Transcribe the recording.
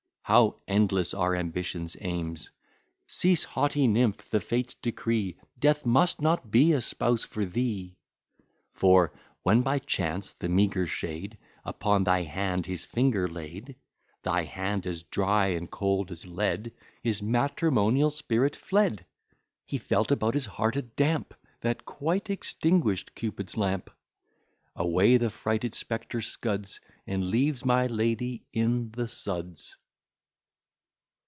How endless are ambition's aims: Cease, haughty nymph; the Fates decree Death must not be a spouse for thee; For, when by chance the meagre shade Upon thy hand his finger laid, Thy hand as dry and cold as lead, His matrimonial spirit fled; He felt about his heart a damp, That quite extinguished Cupid's lamp: Away the frighted spectre scuds, And leaves my lady in the suds.